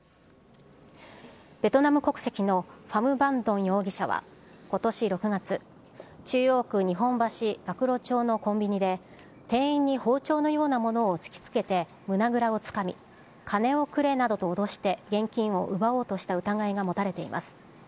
ベトナム国籍のファム・バン・ドン容疑者はことし６月、中央区日本橋馬喰町のコンビニで、店員に包丁のようなものを突きつけて胸倉をつかみ、金をくれなどと脅して現金を奪おうとした疑いが持たれています。